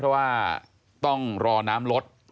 เพราะว่าต้องรอน้ำลด